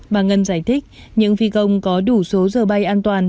bà ngân giải thích những phi công có đủ số giờ bay an toàn